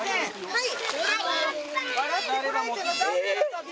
はい。